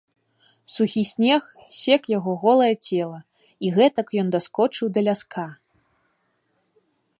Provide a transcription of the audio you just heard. Сухі снег сек яго голае цела, і гэтак ён даскочыў да ляска.